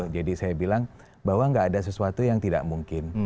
jadi saya bilang bahwa gak ada sesuatu yang tidak mungkin